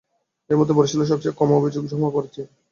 এর মধ্যে বরিশালে সবচেয়ে কম অভিযোগ জমা পড়েছে।